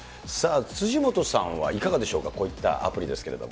辻元さんはいかがでしょうか、こういったアプリですけれども。